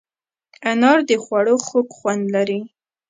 انار د خوړو خوږ خوند لري.